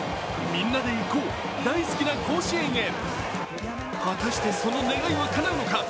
みんなで行こう大好きな甲子園へ果たしてその願いはかなうのか。